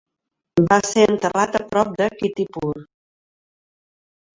Va ser enterrat a prop a Kirtipur.